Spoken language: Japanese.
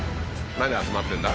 何集まってんだ？